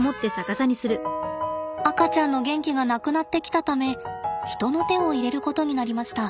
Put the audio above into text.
赤ちゃんの元気がなくなってきたため人の手を入れることになりました。